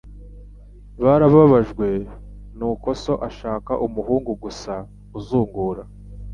Barababajwe nuko so ashaka umuhungu gusa uzungura?